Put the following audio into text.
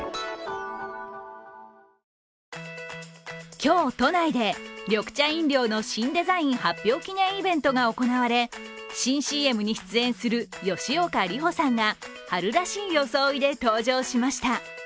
今日、都内で緑茶飲料の新デザイン発表記念イベントが行われ新ＣＭに出演する吉岡里帆さんが、春らしい装いで登場しました。